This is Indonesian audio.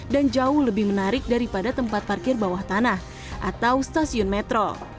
dan jauh lebih menarik daripada tempat parkir bawah tanah atau stasiun metro